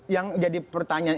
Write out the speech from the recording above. yang jadi pertanyaan